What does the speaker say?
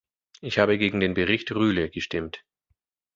Ich habe gegen den Bericht Rühle gestimmt.